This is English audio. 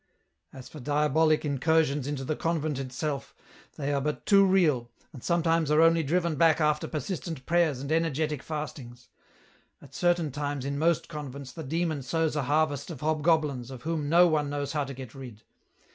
" As for diabolic incursions into the convent itself, they are but too real, and sometimes are only driven back after persistent prayers and energetic fastings ; at certain times in most convents the Demon sows a harvest of hobgoblins of whom no one knows how to get rid.